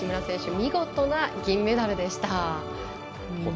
見事な銀メダルでした。